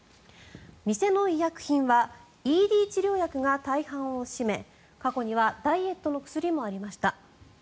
店の医薬品はＥＤ治療薬が大半を占め過去にはダイエットの薬もありました。